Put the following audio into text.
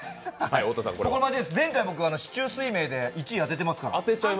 前回僕、四柱推命で１位当ててますから。